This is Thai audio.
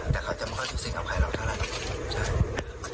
แต่เขาจะไม่ค่อยสูงสิงกับใครหรอกเท่าไร